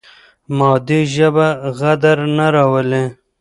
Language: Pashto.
مادي ژبه غدر نه راولي.